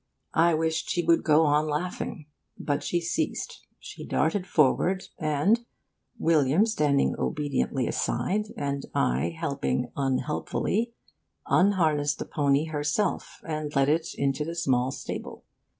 I wished she would go on laughing; but she ceased, she darted forward and (William standing obediently aside, and I helping unhelpfully) unharnessed the pony herself, and led it into its small stable.